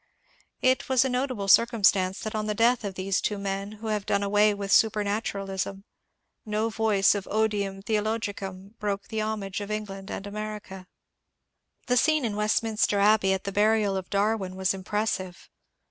It was a notable circumstance that on the death of these two men who have done away with supematuralism, no voice of odium iheologicum broke the homage of England and America. The scene in Westminster Abbey at the burial of Darwin was impressive.